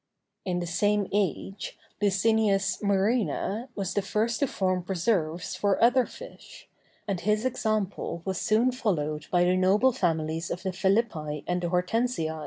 In the same age, Lucinius Murena was the first to form preserves for other fish; and his example was soon followed by the noble families of the Philippi and the Hortensii.